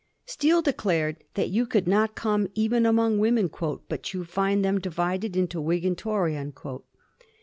Steele declared that you could not come even among women *but you find them divided into Whig and Tory.'